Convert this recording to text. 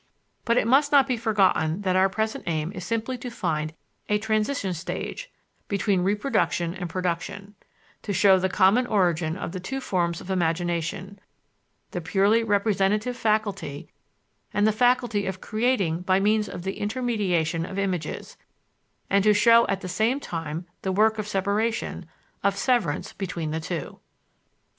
But it must not be forgotten that our present aim is simply to find a transition stage between reproduction and production; to show the common origin of the two forms of imagination the purely representative faculty and the faculty of creating by means of the intermediation of images; and to show at the same time the work of separation, of severance between the two.